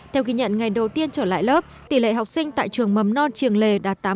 theo ghi nhận ngày đầu tiên trở lại lớp tỷ lệ học sinh tại trường mầm non triều lề đạt tám mươi